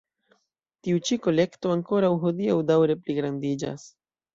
Tiu ĉi kolekto ankoraŭ hodiaŭ daŭre pligrandiĝas.